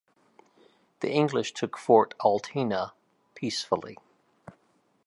The English took Fort Altena peacefully.